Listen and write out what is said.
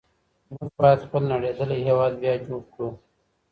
موږ بايد خپل نړېدلی هېواد بيا جوړ کړو.